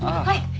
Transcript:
はい。